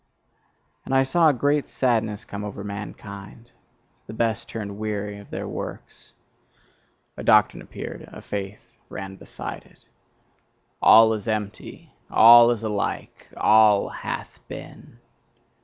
" And I saw a great sadness come over mankind. The best turned weary of their works. A doctrine appeared, a faith ran beside it: 'All is empty, all is alike, all hath been!